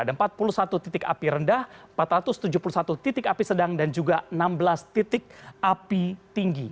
ada empat puluh satu titik api rendah empat ratus tujuh puluh satu titik api sedang dan juga enam belas titik api tinggi